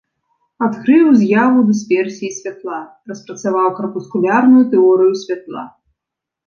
Адкрыў з'яву дысперсіі святла, распрацаваў карпускулярную тэорыю святла.